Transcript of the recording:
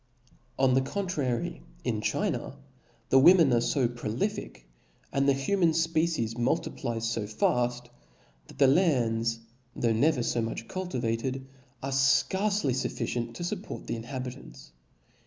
On the contrary, in China the women arc fa prolific, and the human fpecies multiplies fo faft, that the lands, tho* never fo much cultivated, arc fcarce fufficient to fupport the inhabitants.